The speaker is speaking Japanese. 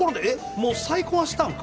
もう再婚はしたんか？